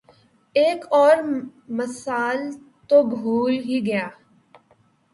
ایک اور مثال تو بھول ہی گیا۔